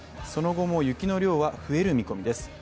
その後も雪の量は増える見込みです。